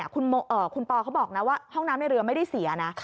คุณปอเขาบอกนะว่าห้องน้ำในเรือไม่ได้เสียนะ